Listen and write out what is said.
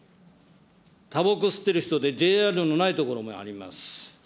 たばこ吸ってる人で、ＪＲのない所もあります。